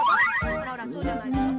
あらあらそうじゃないでしょ。